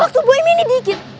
waktu boeim ini dikit